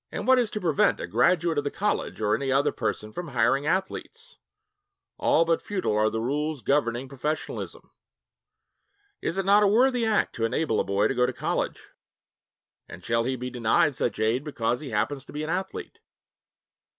And what is to prevent a graduate of the college or any other person from hiring athletes? All but futile are the rules governing professionalism. Is it not a worthy act to enable a boy to go to college? And shall he be denied such aid because he happens to be an athlete?